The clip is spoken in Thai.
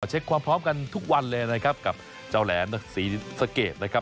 เช็คความพร้อมกันทุกวันเลยนะครับกับเจ้าแหลมศรีสะเกดนะครับ